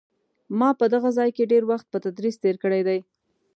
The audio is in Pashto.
ما په دغه ځای کې ډېر وخت په تدریس تېر کړی دی.